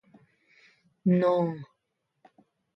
Nòò.